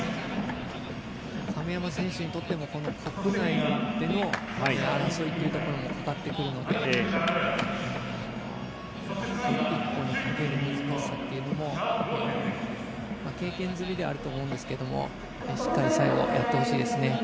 亀山選手にとっても国内での争いというところもかかってくるのでこの１本にかける難しさというのも経験済みではあると思うんですけれどもしっかり最後、やってほしいです。